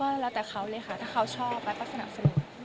ก็แล้วแต่เขาเลยค่ะถ้าเขาชอบแล้วก็สนับสนุน